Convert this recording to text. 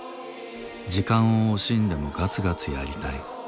「時間を惜しんでもガツガツやりたい」。